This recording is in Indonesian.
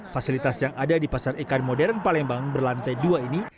fasilitas yang ada di pasar ikan modern palembang berlantai dua ini